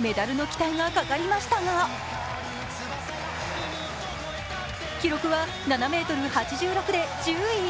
メダルの期待がかかりましたが記録は７ｍ８６で１０位。